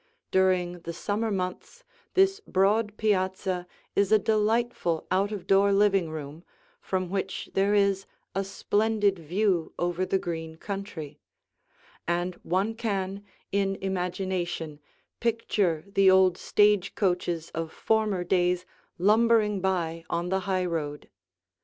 During the summer months this broad piazza is a delightful out of door living room, from which there is a splendid view over the green country; and one can, in imagination, picture the old stage coaches of former days lumbering by on the highroad.